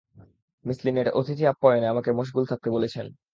Miss Lynette অতিথি আপ্যায়নে আমাকে মশগুল থাকতে বলেছেন।